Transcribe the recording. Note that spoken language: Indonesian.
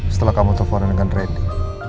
setelah kamu telepon dengan randy